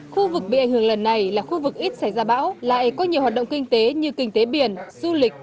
khu vực bị ảnh hưởng lần này là khu vực ít xảy ra bão lại có nhiều hoạt động kinh tế như kinh tế biển du lịch